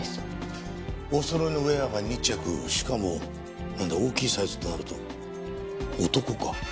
おそろいのウェアが２着しかも大きいサイズとなると男か。